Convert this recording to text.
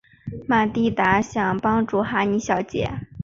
玛蒂达想帮助哈妮小姐。